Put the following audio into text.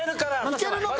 いけるのか？